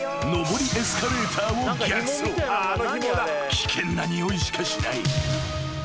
［危険なにおいしかしない］